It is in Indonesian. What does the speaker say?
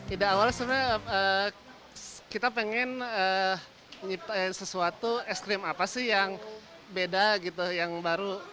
ide awalnya sebenarnya kita pengen nyip sesuatu es krim apa sih yang beda gitu yang baru